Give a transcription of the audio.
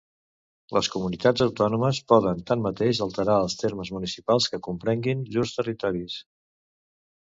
Les comunitats autònomes poden, tanmateix, alterar els termes municipals que comprenguin llurs territoris.